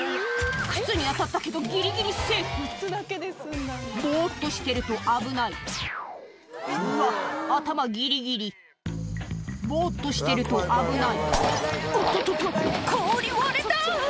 靴に当たったけどギリギリセーフぼっとしてると危ないうわ頭ギリギリぼっとしてると危ない「おっととと氷割れた！」